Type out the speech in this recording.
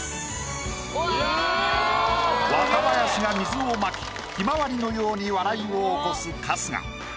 若林が水をまきひまわりのように笑いを起こす春日。